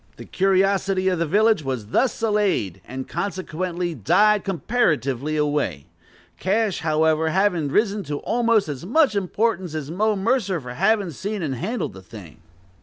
The curiosity of the village was thus allayed, and consequently died comparatively away, Cash, however, having risen to almost as much importance as Mo Mercer, for having seen and handled the thing.